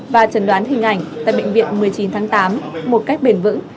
và trần đoán hình ảnh tại bệnh viện một mươi chín tháng tám một cách bền vững